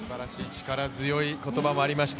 力強い言葉もありました。